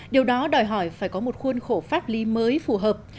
điều đó đòi hỏi phải có một khuôn khổ pháp lý mới phù hợp